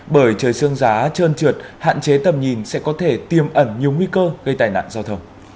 bởi trời sương giá trơn trượt hạn chế tầm nhìn sẽ có thể tiêm ẩn nhiều nguy cơ gây tai nạn giao thông